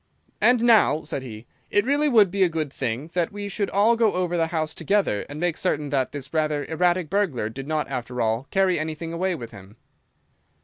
"And now," said he, "it really would be a good thing that we should all go over the house together and make certain that this rather erratic burglar did not, after all, carry anything away with him."